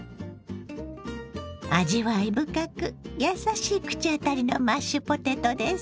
味わい深く優しい口当たりのマッシュポテトです。